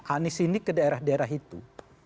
anies ini ke daerah daerah itu